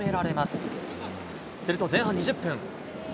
すると、前半２０分。